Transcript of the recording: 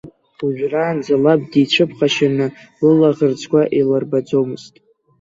Ожәраанӡа, лаб дицәыԥхашьаны лылаӷырӡқәа илырбаӡомызт.